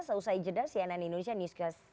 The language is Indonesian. seusai jeda cnn indonesia newscast